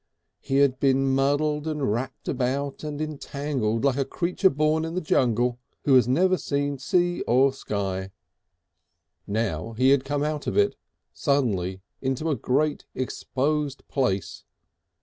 He had been muddled and wrapped about and entangled like a creature born in the jungle who has never seen sea or sky. Now he had come out of it suddenly into a great exposed place.